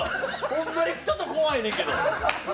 ホンマにちょっと怖いねんけど。